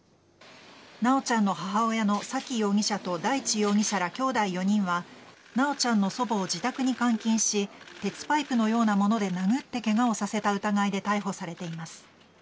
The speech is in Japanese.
修ちゃんの母親の沙喜容疑者と大地容疑者らきょうだい４人は修ちゃんの祖母を自宅に監禁し鉄パイプのようなもので殴ってケガをさせた疑いで逮捕されています。